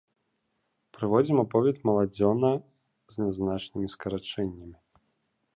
Прыводзім аповед маладзёна з нязначнымі скарачэннямі.